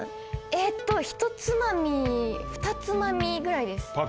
えっとひとつまみふたつまみぐらいです。